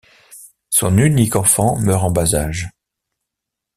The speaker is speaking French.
Son unique enfant meurt en bas-âge.